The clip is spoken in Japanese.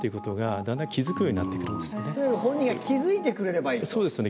本人が気づいてくれればいい。